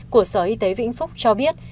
của sở y tế vĩnh phúc cho biết